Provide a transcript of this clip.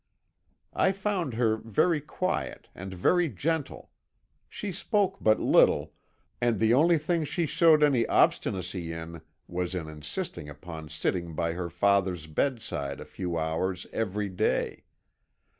I found her very quiet and very gentle; she spoke but little, and the only thing she showed any obstinacy in was in insisting upon sitting by her father's bedside a few hours every day.